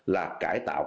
là cải tạo